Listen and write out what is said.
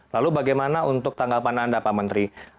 lalu bagaimana untuk tanggapan anda pak menteri